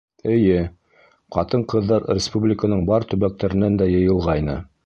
Эйе, ҡатын-ҡыҙҙар республиканың бар төбәктәренән дә йыйылғайны.